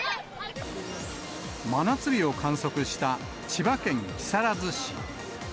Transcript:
真夏日を観測した千葉県木更津市。